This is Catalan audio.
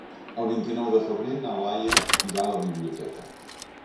El vint-i-nou de febrer na Laia irà a la biblioteca.